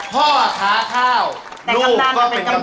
พ่อค้าข้าวลูกก็เป็นกำนัน